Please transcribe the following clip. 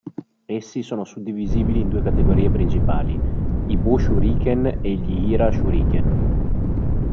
Essi sono suddivisibili in due categorie principali: i Bo Shuriken e gli Hira Shuriken.